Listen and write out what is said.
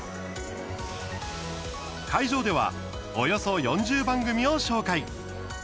会場では、およそ４０番組を紹介。